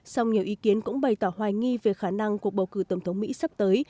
song nhiều ý kiến cũng bày tỏ hoài nghi về khả năng cuộc bầu cử tổng thống mỹ sắp tới